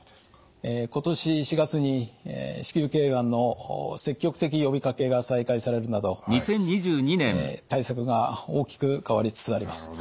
今年４月に子宮頸がんの積極的呼びかけが再開されるなど対策が大きく変わりつつあります。